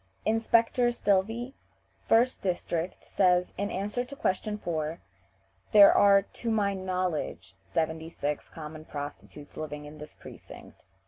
Inspector Silvey, 1st district, says, in answer to question 4, "There are to my knowledge seventy six common prostitutes living in this precinct."